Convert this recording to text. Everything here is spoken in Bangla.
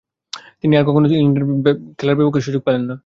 তিনি আর কখনো ইংল্যান্ডের পক্ষে খেলার সুযোগ পাননি।